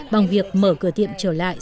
bằng việc mở cửa tiệm trở lại